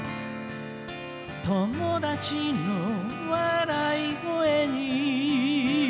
「友達の笑い声に」